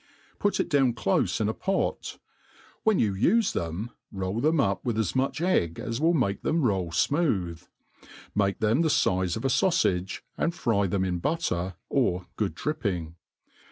Put it down clofe in a pot ; when you ufe them, roll them up with as much egg as will make them roll fmooth. Make them the fize of a faufage, and fry them in butter^ or good dripping.